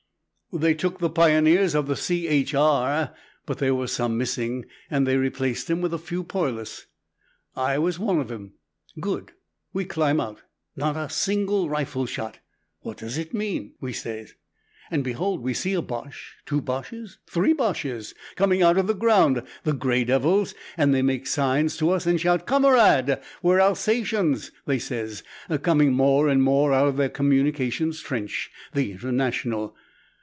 "They took the pioneers of the C.H.R., but there were some missing, and they replaced 'em with a few poilus. I was one of 'em. Good. We climb out. Not a single rifle shot! 'What does it mean?' we says, and behold, we see a Boche, two Boches, three Boches, coming out of the ground the gray devils! and they make signs to us and shout 'Kamarad!' 'We're Alsatians,' they says, coming more and more out of their communication trench the International.